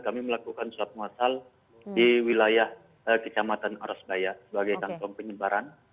kami melakukan suap masal di wilayah kecamatan arasbaya sebagai kantong penyebaran